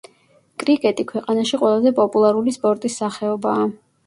კრიკეტი ქვეყანაში ყველაზე პოპულარული სპორტის სახეობაა.